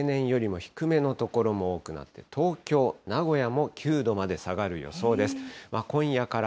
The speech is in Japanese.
平年よりも低めの所も多くなって、東京、名古屋も９度まで下がる予想です。